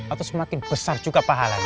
atau semakin besar juga pahalanya